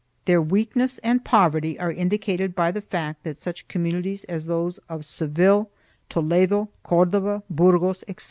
Their weakness and poverty are indicated by the fact that such communities as those of Seville, Toledo, Cordova, Burgos, etc.